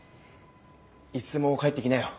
いつでも帰ってきなよ。